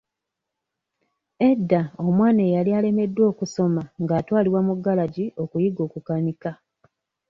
Edda omwana eyali alemereddwa okusoma ng'atwalibwa mu galagi okuyiga okukanika.